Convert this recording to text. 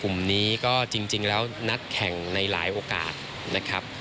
กลุ่มนี้ก็จริงแล้วนัดแข่งในหลายโอกาสนะครับ